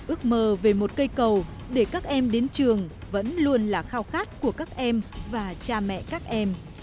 ước mơ về một cây cầu để các em đến trường vẫn luôn là khao khát của các em và cha mẹ các em